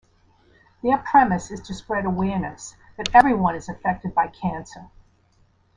Their premise is to spread awareness that everyone is affected by cancer.